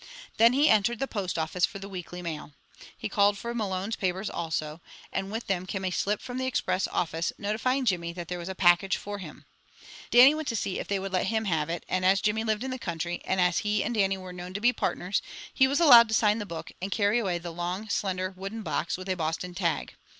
Then he entered the post office for the weekly mail. He called for Malone's papers also, and with them came a slip from the express office notifying Jimmy that there was a package for him. Dannie went to see if they would let him have it, and as Jimmy lived in the country, and as he and Dannie were known to be partners, he was allowed to sign the book, and carry away a long, slender, wooden box, with a Boston tag.